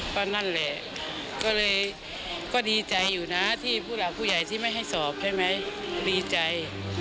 ก็นั่นแหละก็เลยก็ดีใจอยู่นะที่ผู้หลักผู้ใหญ่ที่ไม่ให้สอบใช่ไหมดีใจ